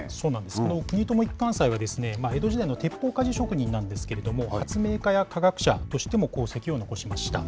この国友一貫斎は、江戸時代の鉄砲鍛冶職人なんですけれども、発明家や科学者としても功績を残しました。